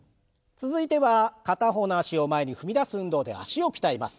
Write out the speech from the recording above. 続いては片方の脚を前に踏み出す運動で脚を鍛えます。